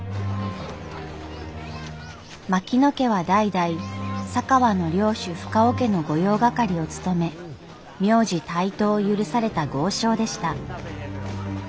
槙野家は代々佐川の領主深尾家の御用掛を務め名字帯刀を許された豪商でした。